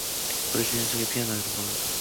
부르짖으며 손가락을 피가 나도록 물어뜯는다.